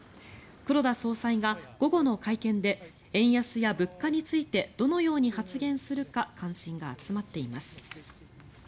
黒田総裁が午後の会見で円安や物価についてどのように発言するか関心が集まっています。